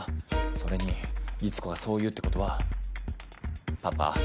それに律子がそう言うってことはパパ